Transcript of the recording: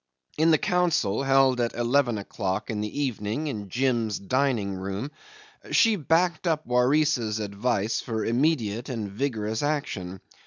In the council, held at eleven o'clock in the evening in Jim's dining room, she backed up Waris's advice for immediate and vigorous action.